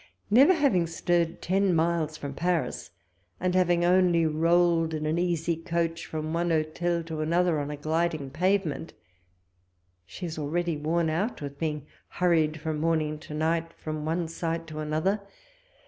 Never having stirred ten miles from Paris, and having only rolled in an easy coach from one hotel to another on a gliding pavement, she is already worn out with being hurried from morning till night from one sight to another.